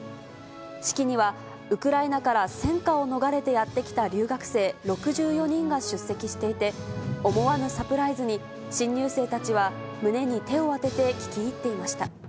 式にはウクライナから戦火を逃れてやって来た留学生６４人が出席していて、思わぬサプライズに、新入生たちは胸に手を当てて聴き入っていました。